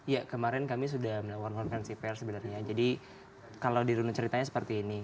ya kemarin kami sudah melahorkan cpr sebenarnya jadi kalau di runa ceritanya seperti ini